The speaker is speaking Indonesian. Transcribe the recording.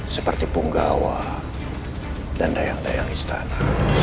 seperti punggawa dan dayang layang istana